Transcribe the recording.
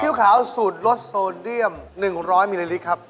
ซีอิ๊วขาวสูตรรสโซเดียม๑๐๐มิลลิลิครับ